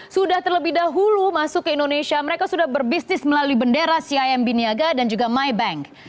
sudah terlebih dahulu masuk ke indonesia mereka sudah berbisnis melalui bendera cimb niaga dan juga mybank